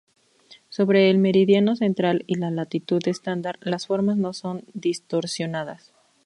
Sobre el meridiano central y la latitud estándar las formas no son distorsionadas.